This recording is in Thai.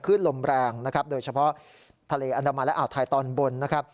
ลมแรงนะครับโดยเฉพาะทะเลอันดามันและอ่าวไทยตอนบนนะครับ